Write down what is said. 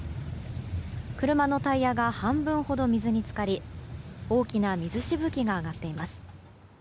車のタイヤが半分ほど水に浸かり大きな水しぶきが上がっています。